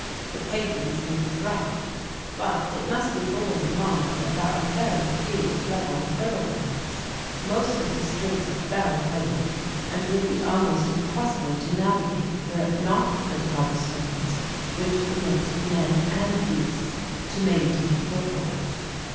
The pavements may be rough, but it must be borne in mind that there are very few level thoroughfares; most of the streets are very hilly, and would be almost impossible to navigate were it not for the cobblestones, which permit men and beasts to maintain a foothold.